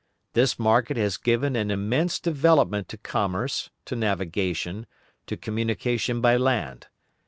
This market has given an immense development to commerce, to navigation, to communication by land.